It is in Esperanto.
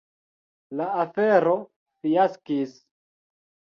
La afero fiaskis.